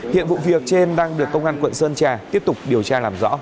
hiện vụ việc trên đang được công an quận sơn trà tiếp tục điều tra làm rõ